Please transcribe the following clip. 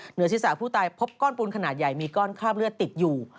เหนือศีรษะผู้ตายพบก้อนปูนขนาดใหญ่มีก้อนคราบเลือดติดอยู่